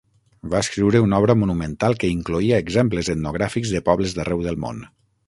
Va escriure una obra monumental que incloïa exemples etnogràfics de pobles d'arreu del món.